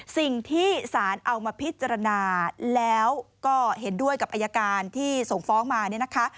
สิ่งที่ศาลเอามาพิจารณาแล้วก็เห็นด้วยกับอายการที่ส่งฟ้องมาเนี่ยนะคะ